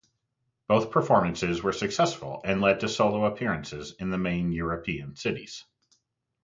Both performances were successful and led to solo appearances in the main European cities.